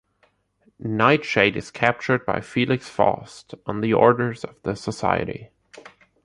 Nightshade is captured by Felix Faust on the orders of the Society.